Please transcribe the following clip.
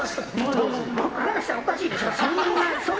僕からしたらおかしいでしょ。